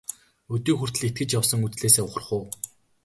Өдий хүртэл итгэж явсан үзлээсээ ухрах уу?